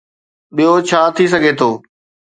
ٻيو ڇا ٿي سگهي ٿو؟